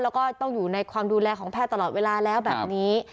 แล้วก็ต้องอยู่ในความดูแลของแพทย์ตลอดเวลาแล้วแบบนี้